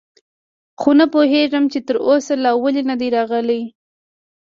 خو نه پوهېږم، چې تراوسه لا ولې نه دي راغلي.